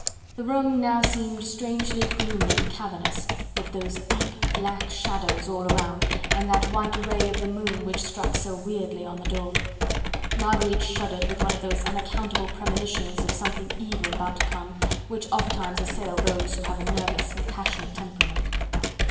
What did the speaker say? The room now seemed strangely gloomy and cavernous, with those deep, black shadows all around and that white ray of the moon which struck so weirdly on the door. Marguerite shuddered with one of those unaccountable premonitions of something evil about to come, which ofttimes assail those who have a nervous and passionate temperament.